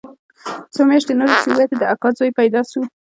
څو مياشتې نورې چې ووتې د اکا زوى پيدا سو.